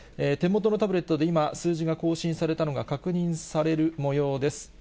手元のタブレットで今、数字が更新されたのが確認されるもようです。